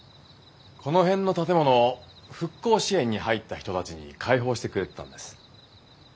この辺の建物を復興支援に入った人たちに開放してくれてたんです。